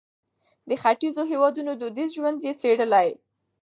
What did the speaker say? د ختیځو هېوادونو دودیز ژوند یې څېړلی.